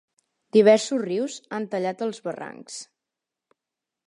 Diversos rius han tallat els barrancs.